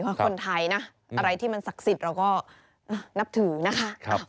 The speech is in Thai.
เพราะคนไทยนะอะไรที่มันศักดิ์สิทธิ์เราก็นับถือนะคะ